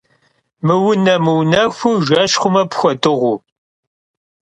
Mıune - mıunexhu, jjeş xhume pxhedığu.